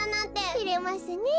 てれますねえ。